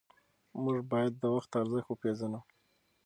موږ باید د وخت ارزښت وپېژنو.